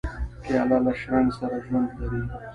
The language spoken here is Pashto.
پیاله له شرنګ سره ژوند لري.